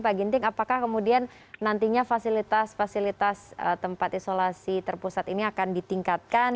pak ginting apakah kemudian nantinya fasilitas fasilitas tempat isolasi terpusat ini akan ditingkatkan